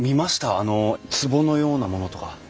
あのつぼのようなものとか。